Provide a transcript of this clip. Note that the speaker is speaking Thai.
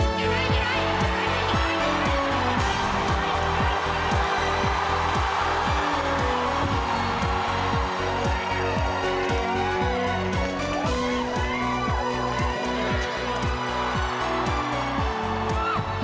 พร้อมเลยครับ